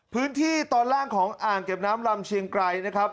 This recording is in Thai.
พื้นที่ตอนล่างของอ่างเก็บน้ำลำเชียงไกรนะครับ